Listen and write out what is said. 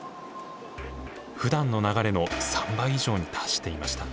ふだんの流れの３倍以上に達していました。